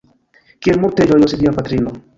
Kiel multe ĝojos via patrino!